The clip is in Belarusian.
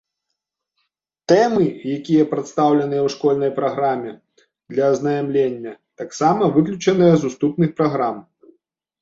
Тэмы, якія прадстаўленыя ў школьнай праграме для азнаямлення, таксама выключаныя з уступных праграм.